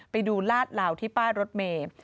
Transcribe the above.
ไปดูลาดเหลาที่ป้ายรถเมย์